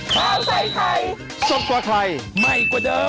โปรดติดตามตอนต่อไป